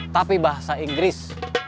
tapi bahasa inggris